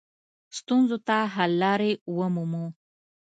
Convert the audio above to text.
ستونزو ته حل لارې ومومو.